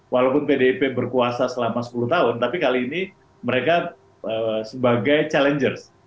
walaupun pdip berkuasa selama sepuluh tahun tapi kali ini mereka sebagai challenger